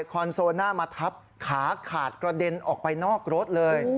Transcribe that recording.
คอนโซน่ามาทับขาขาดกระเด็นออกไปนอกรถเลย